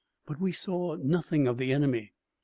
But we saw nothing of the enemy.